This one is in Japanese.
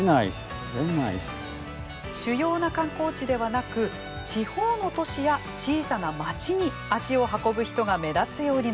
主要な観光地ではなく地方の都市や小さな町に足を運ぶ人が目立つようになっています。